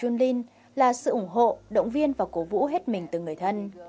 điều quan trọng của jun linh là sự ủng hộ động viên và cố vũ hết mình từng người thân